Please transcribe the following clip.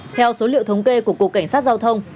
theo số liệu thống kê của cục cảnh sát giao thông